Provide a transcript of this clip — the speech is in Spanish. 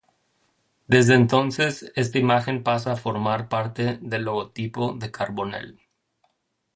Desde entonces, esta imagen pasa a formar parte del logotipo de Carbonell.